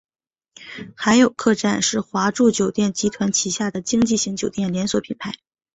海友客栈是华住酒店集团旗下的经济型酒店连锁品牌。